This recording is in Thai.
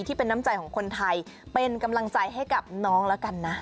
ที่เป็นน้ำใจของคนไทยเป็นกำลังใจให้กับน้องแล้วกันนะ